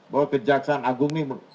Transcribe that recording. bahwa kejaksaan agung ini